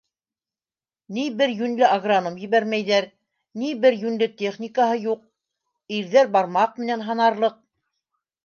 Ни бер йүнле агроном ебәрмәйҙәр, ни бер йүнле техникаһы юҡ, ирҙәр - бармаҡ менән һанарлыҡ.